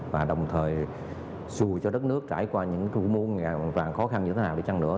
và đồng thời dù cho đất nước trải qua những vụ muôn vàng khó khăn như thế nào đi chăng nữa